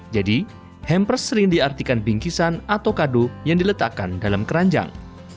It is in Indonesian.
jadi hampers sering diartikan bingkisan atau kado yang diletakkan dalam keranjang